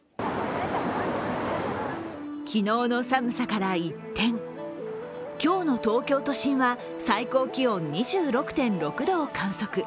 昨日の寒さから一転、今日の東京都心は最高気温２６．６度を観測。